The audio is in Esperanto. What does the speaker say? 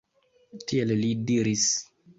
Tiel li diris.